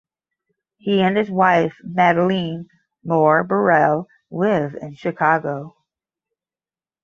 He and his wife Madeleine Moore Burrell live in Chicago.